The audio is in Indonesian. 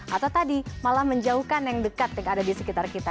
atau tadi malah menjauhkan yang dekat yang ada di sekitar kita